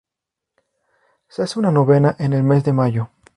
Se hace una novena en el mes de mayo.